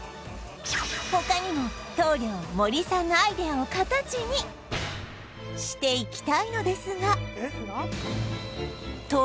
他にも棟梁森さんのアイデアを形にしていきたいのですが